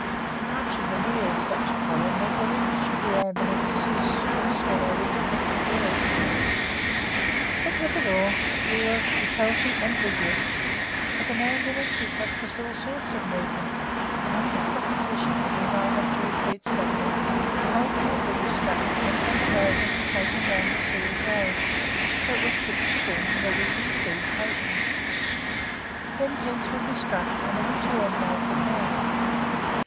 To march in the rear of such a column meant that each of the Ambulances soon swallowed its peck of dirt. But with it all we were healthy and vigorous. As an Ambulance we practiced all sorts of movements. Under supposition that we might have to retreat suddenly, the whole camp would be struck, packed on the waggon and taken down the Suez road, where it was pitched again, ready to receive patients; then tents would be struck and a return made to camp.